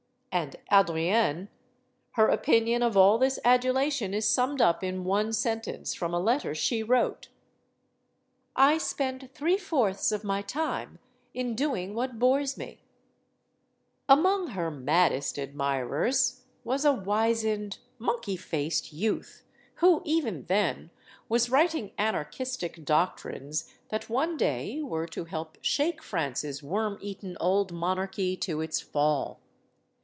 And Adrienne? Her opinion of all this adulation is summed up in one sentence from a letter she wrote: I spend three fourths of my time in doing what bores me. Among her maddest admirers was a wizened, monkey faced youth who even then was writing anar chistic doctrines that one day were to help shake France's worm eaten old monarchy to its fall.